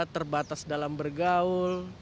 terbatas dalam bergaul